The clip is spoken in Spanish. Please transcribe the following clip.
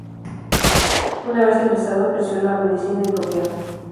Una vez egresado, ejerció la medicina en Copiapó.